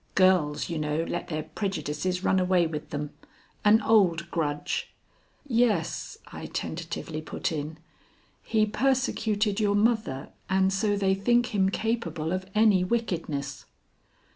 "Girls, you know, let their prejudices run away with them. An old grudge " "Yes," I tentatively put in; "he persecuted your mother, and so they think him capable of any wickedness."